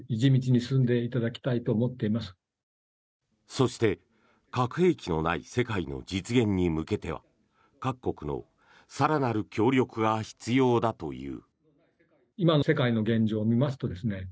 そして、核兵器のない世界の実現に向けては各国の更なる協力が必要だという。